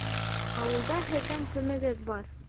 Ауылда һеҙҙең кемегеҙ бар?